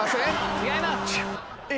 違います！